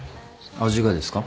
味がですか？